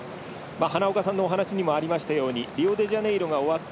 花岡さんのお話にもありましたようにリオデジャネイロが終わった